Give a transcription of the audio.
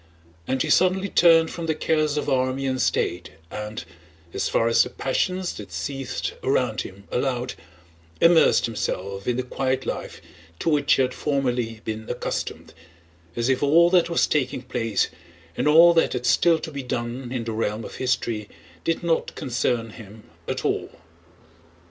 And he suddenly turned from the cares of army and state and, as far as the passions that seethed around him allowed, immersed himself in the quiet life to which he had formerly been accustomed, as if all that was taking place and all that had still to be done in the realm of history did not concern him at all.